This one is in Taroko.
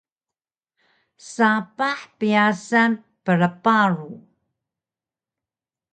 sapah pyasan prparu